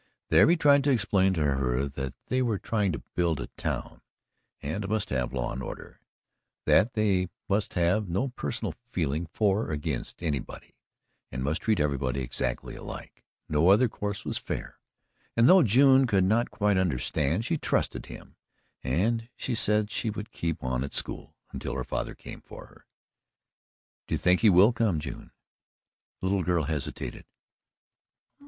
There he tried to explain to her that they were trying to build a town and must have law and order; that they must have no personal feeling for or against anybody and must treat everybody exactly alike no other course was fair and though June could not quite understand, she trusted him and she said she would keep on at school until her father came for her. "Do you think he will come, June?" The little girl hesitated.